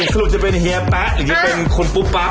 สรุปจะเป็นเฮียแป๊ะหรือจะเป็นคุณปุ๊บป๊า